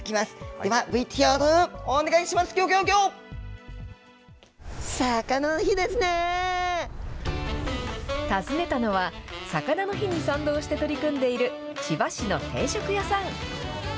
では、ＶＴＲお願いします、ぎょぎょぎょ。訪ねたのは、さかなの日に賛同して取り組んでいる、千葉市の定食屋さん。